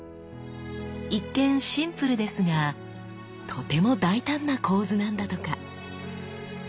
一見シンプルですがとても大胆な構図なんだとか。